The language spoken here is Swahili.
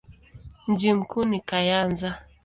Mji mkuu ni Kayanza.